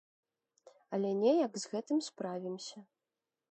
Але неяк з гэтым справімся.